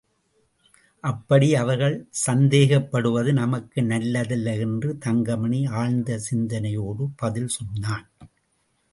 அப்படி அவர்கள் சந்தேகப்படுவது நமக்கு நல்லதல்ல என்று தங்கமணி ஆழ்ந்த சிந்தனையோடு பதில் சொன்னான்.